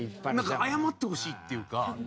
謝ってほしいっていうか。